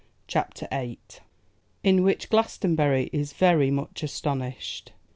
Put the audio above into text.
CHAPTER VIII. In Which Glastonbury Is Very Much Astonished.